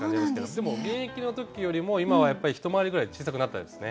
でも現役の時よりも今はやっぱり一回りぐらい小さくなったですね。